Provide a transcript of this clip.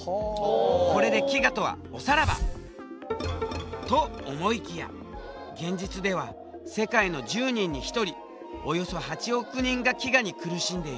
これで飢餓とはおさらば！と思いきや現実では世界の１０人に１人およそ８億人が飢餓に苦しんでいる。